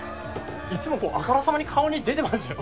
いっつもこうあからさまに顔に出てますよ。